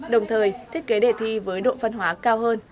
đồng thời thiết kế đề thi với độ phân hóa cao hơn